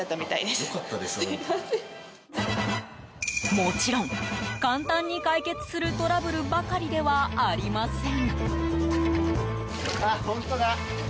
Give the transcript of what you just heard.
もちろん簡単に解決するトラブルばかりではありません。